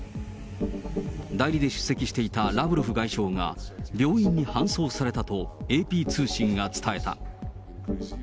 代理で出席していたラブロフ外相が病院に搬送されたとＡＰ通信が伝えた。